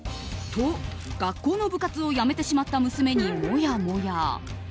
と、学校の部活を辞めてしまった娘にもやもや。